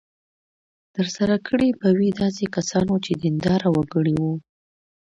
ترسره کړې به وي داسې کسانو چې دینداره وګړي وو.